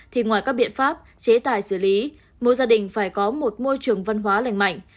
thì ngoài các biện pháp chế tài xử lý mỗi gia đình phải có một môi trường văn hóa lành mạnh